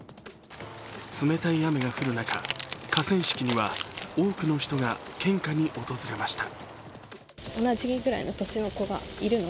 冷たい雨が降る中、河川敷には多くの人が献花に訪れました。